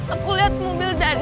aku lihat mobil daniel di depan aku